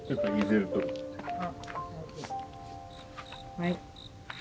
はい。